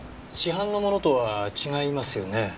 市販のものとは違いますよね？